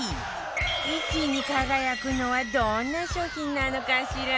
１位に輝くのはどんな商品なのかしら？